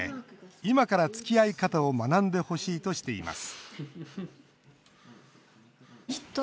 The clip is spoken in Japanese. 今から、つきあい方を学んでほしいとしています